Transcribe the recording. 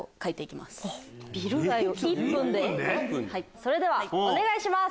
それではお願いします。